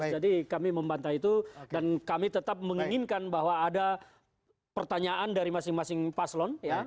jadi kami membantah itu dan kami tetap menginginkan bahwa ada pertanyaan dari masing masing paslon ya